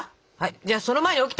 じゃあその前にオキテ！